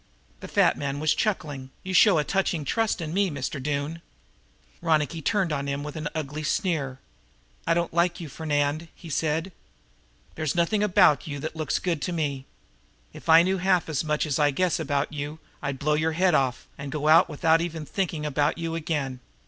The fat man was chuckling: "You show a touching trust in me, Mr. Doone." Ronicky turned on him with an ugly sneer. "I don't like you, Fernand," he said. "They's nothing about you that looks good to me. If I knew half as much as I guess about you I'd blow your head off, and go on without ever thinking about you again.